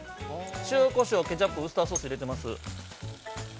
塩、こしょう、ケチャップウスターソースを入れてます。